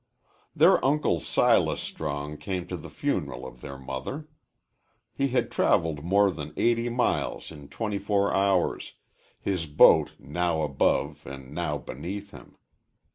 Their Uncle Silas Strong came to the funeral of their mother. He had travelled more than eighty miles in twenty four hours, his boat now above and now beneath him.